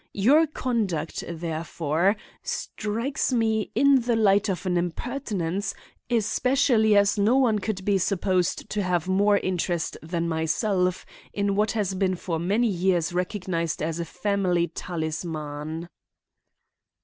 Your conduct, therefore, strikes me in the light of an impertinence, especially as no one could be supposed to have more interest than myself in what has been for many years recognized as a family talisman."